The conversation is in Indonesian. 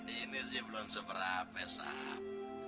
ini sih belum seberapa